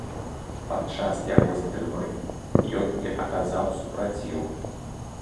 Падчас яго затрымання ён не аказаў супраціву.